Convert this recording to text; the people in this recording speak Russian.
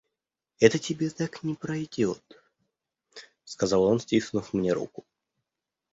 «Это тебе так не пройдет, – сказал он, стиснув мне руку.